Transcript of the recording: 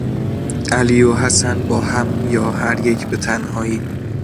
علی و حسن با هم یا هر یک به تنهایی